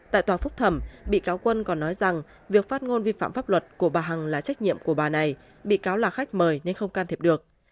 tại tòa phúc thẩm bị cáo quân còn nói rằng việc phát ngôn vi phạm pháp luật của bà hằng là trách nhiệm của bà này bị cáo là khách mời nên không can thiệp được